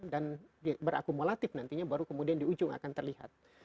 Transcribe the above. dan berakumulatif nantinya baru kemudian di ujung akan terlihat